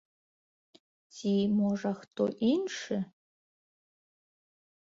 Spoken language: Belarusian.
Ці, можа, хто іншы?